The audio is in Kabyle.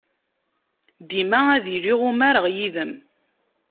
Dima ad iliɣ umareɣ yid-m.